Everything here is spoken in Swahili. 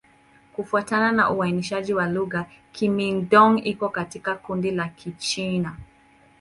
Kufuatana na uainishaji wa lugha, Kimin-Dong iko katika kundi la Kichina.